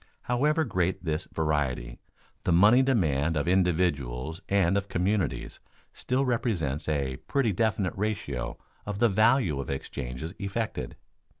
However great this variety, the money demand of individuals and of communities still represents a pretty definite ratio of the value of exchanges effected.